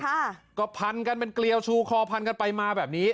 ค่ะก็พันกันเป็นเกลียวชูคอพันกันไปมาแบบนี้